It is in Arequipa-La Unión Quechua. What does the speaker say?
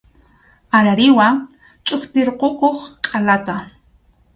Arariwa chʼustirqukuq qʼalata.